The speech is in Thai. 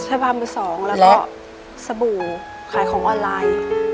ชาบามือสองแล้วก็สบู่ขายของออนไลน์